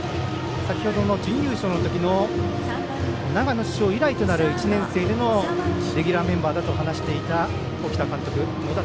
先ほどの準優勝のときの主将以来となる１年生でのレギュラーメンバーだと話していた、沖田監督。